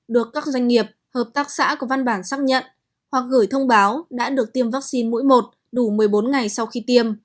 được các doanh nghiệp hợp tác xã có văn bản xác nhận hoặc gửi thông báo đã được tiêm vaccine mũi một đủ một mươi bốn ngày sau khi tiêm